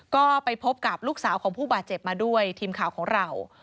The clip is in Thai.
ก็ไปพบกับลูกสาวของผู้บาดเจ็บมาด้วยทีมข่าวของเรา